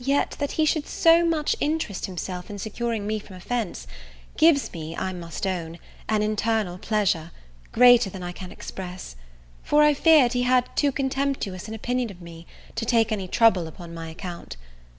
Yet that he should so much interest himself in securing me from offence, gives me, I must own, an internal pleasure, greater than I can express; for I feared he had too contemptuous an opinion of me, to take any trouble upon my account.